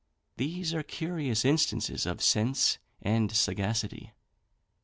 These are curious instances of sense and sagacity.